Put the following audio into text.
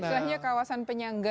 misalnya kawasan penyangga